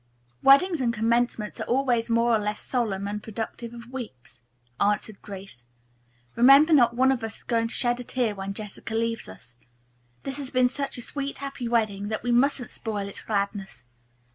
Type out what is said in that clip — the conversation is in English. "Weddings and commencements are always more or less solemn and productive of weeps," answered Grace. "Remember not one of us is going to shed a tear when Jessica leaves us. This has been such a sweet, happy wedding that we mustn't spoil its gladness.